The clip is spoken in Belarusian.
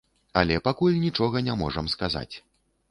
Але пакуль нічога не можам сказаць.